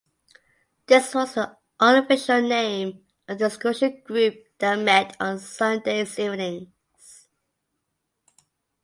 This was the unofficial name of the discussion group that met on Sundays evenings.